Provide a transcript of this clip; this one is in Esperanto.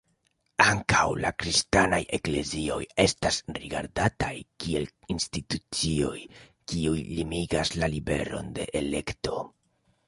Ankaŭ la kristanaj eklezioj estas rigardataj kiel institucioj kiuj limigas la liberon de elekto.